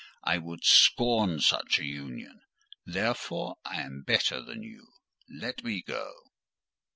I would scorn such a union: therefore I am better than you—let me go!"